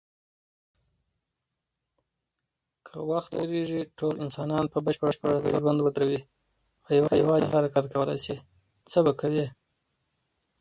که وخت ودریږي ټول انسانان په بشپړ ډول خپل ژوند ودروي او يواځې ته حرکت کولی شې، څه به کوې؟